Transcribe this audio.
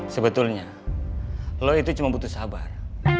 sebetulnya lo itu cuma butuh sabar